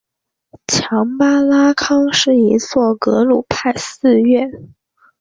强巴拉康是一座格鲁派寺院。